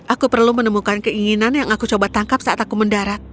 aku perlu menemukan keinginan yang aku coba tangkap saat aku mendarat